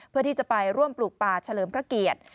เพื่อที่จะไปร่วมปลูกป่าเฉลิมพระเกียรติ